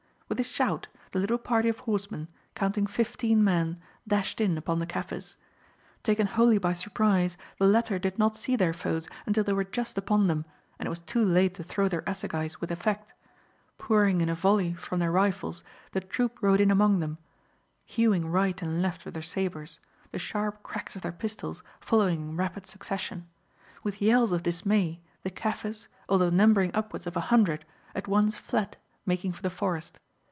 With a shout, the little party of horsemen, counting fifteen men, dashed in upon the Kaffirs. Taken wholly by surprise, the latter did not see their foes until they were just upon them, and it was too late to throw their assegais with effect. Pouring in a volley from their rifles the troop rode in among them, hewing right and left with their sabres, the sharp cracks of their pistols following in rapid succession. With yells of dismay the Kaffirs, although numbering upwards of a hundred, at once fled, making for the forest.